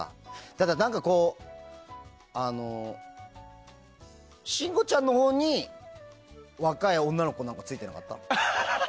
ただ、何かこう信五ちゃんのほうに若い女の子がついてなかった？